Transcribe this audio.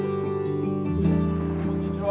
こんにちは。